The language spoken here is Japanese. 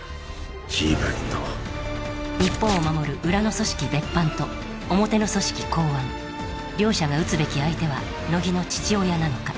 自分の日本を守る裏の組織別班と表の組織公安両者が討つべき相手は乃木の父親なのか